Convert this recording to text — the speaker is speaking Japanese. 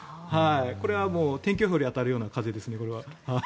これはもう天気予報より当たるような風ですね。